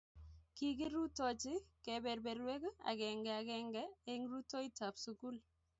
kikirutochi kebeberwek agenge agenge eng' rutoitab sukul